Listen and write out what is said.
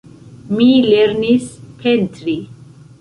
Mi lernis pentri.